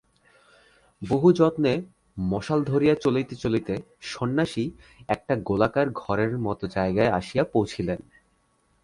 বহু যত্নে মশাল ধরিয়া চলিতে চলিতে সন্ন্যাসী একটা গোলাকার ঘরের মতো জায়গায় আসিয়া পৌঁছিলেন।